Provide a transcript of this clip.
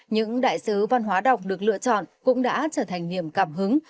những đại sứ văn hóa đọc được lựa chọn cũng đã trở thành niềm cảm hứng